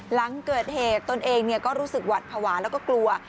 หลังเกิดเหตุตนเองก็รู้สึกหวัดภาวะแล้วก็กลัว